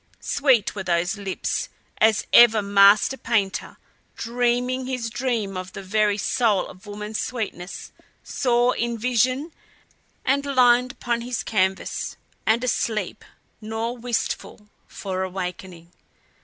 Sweet were those lips as ever master painter, dreaming his dream of the very soul of woman's sweetness, saw in vision and limned upon his canvas and asleep, nor wistful for awakening.